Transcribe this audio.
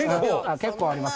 結構あります。